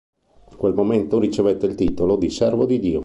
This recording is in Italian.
In quel momento ricevette il titolo di servo di Dio.